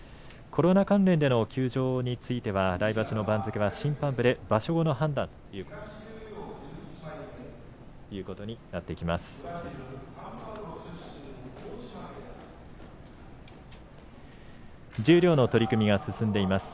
コロナ関連での休場については来場所の番付は審判部で場所後の判断ということです。